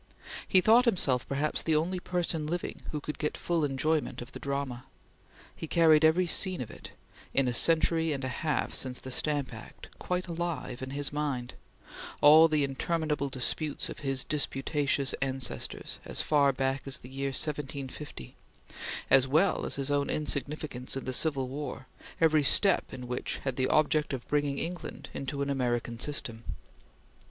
He thought himself perhaps the only person living who could get full enjoyment of the drama. He carried every scene of it, in a century and a half since the Stamp Act, quite alive in his mind all the interminable disputes of his disputatious ancestors as far back as the year 1750 as well as his own insignificance in the Civil War, every step in which had the object of bringing England into an American system.